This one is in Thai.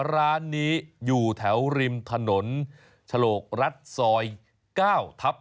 ร้านนี้อยู่แถวริมถนนฉลกรัฐซอย๙ทับ๑